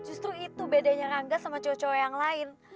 justru itu bedanya rangga sama cowok cowok yang lain